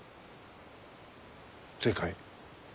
正解。